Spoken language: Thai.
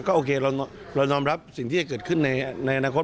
โอเคเรายอมรับสิ่งที่จะเกิดขึ้นในอนาคต